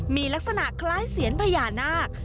มีลักษณะคล้ายเซียนพญานาค